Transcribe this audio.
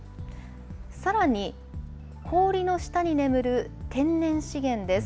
さらに、氷の下に眠る天然資源です。